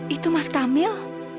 itu mas kamil